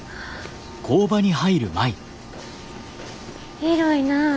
広いなぁ。